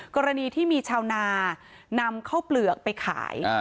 กรณีที่มีชาวนานำข้าวเปลือกไปขาย